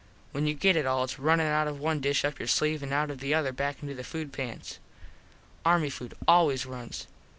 When you get it all its runnin out of one dish up your sleeve an out of the other back into the food pans. Army food always runs.